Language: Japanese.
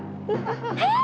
えっ！？